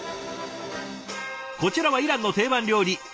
こちらはイランの定番料理